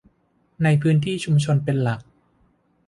ในพื้นที่ชุมชนเป็นหลัก